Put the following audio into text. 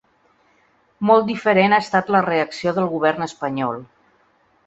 Molt diferent ha estat la reacció del govern espanyol.